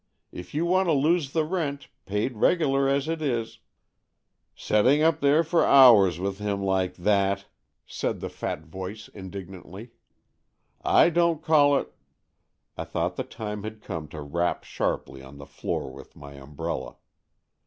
If you want to lose the rent, paid regular as it is "" Setting up there for hours with him like that !" said the fat voice indignantly. " I don't call it " I thought the time had come to rap sharply on the floor with my umbrella.